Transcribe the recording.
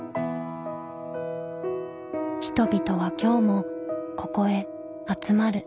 人々は今日もここへ集まる。